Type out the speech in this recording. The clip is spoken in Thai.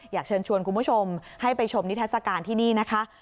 อยากเชิญชวนคุณผู้ชมให้ไปชมนิทัศกาลที่นี่นะคะ